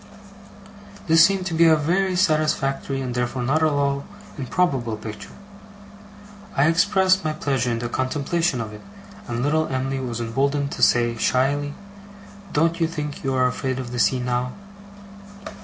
This seemed to me to be a very satisfactory and therefore not at all improbable picture. I expressed my pleasure in the contemplation of it, and little Em'ly was emboldened to say, shyly, 'Don't you think you are afraid of the sea, now?